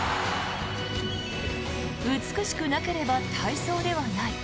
美しくなければ体操ではない。